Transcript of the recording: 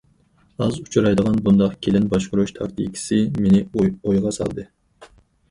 ئاز ئۇچرايدىغان بۇنداق كېلىن باشقۇرۇش تاكتىكىسى مېنى ئويغا سالدى.